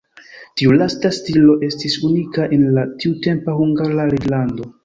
Tiu lasta stilo estis unika en la tiutempa Hungara reĝlando.